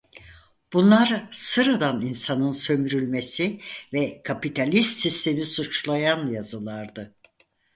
Bunlar sıradan insanın sömürülmesi ve kapitalist sistemi suçlayan yazılardı.